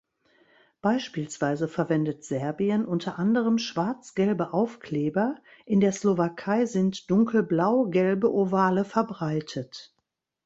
Beispielsweise verwendet Serbien unter anderem schwarz-gelbe Aufkleber, in der Slowakei sind dunkelblau-gelbe Ovale verbreitet.